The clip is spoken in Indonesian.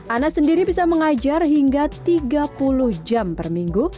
ana sendiri bisa mengajar hingga tiga puluh jam per minggu